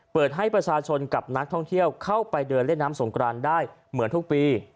เปิดให้ประชาชนกับนักท่องเที่ยวเข้าไปเดินเล่นน้ำสงกรานได้เหมือนทุกปี